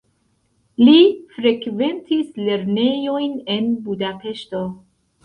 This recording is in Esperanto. Li frekventis lernejojn en Budapeŝto.